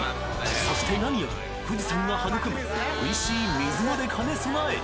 そしてなにより富士山が育むおいしい水まで兼ね備え